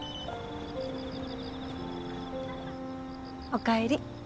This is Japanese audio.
お帰り。